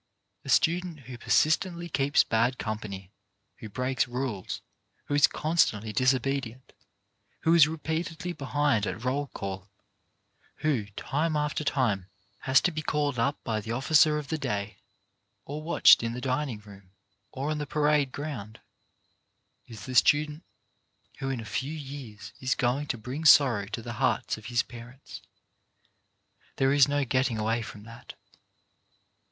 A student who persistently keeps bad company, who breaks rules, who is constantly disobedient, who is re peatedly behind at roll call, who time after time has to be called up by the officer of the day, or watched in the dining room or on the parade ground, is the student who in a few years is going to bring sorrow to the hearts of his parents. There is no getting away from that.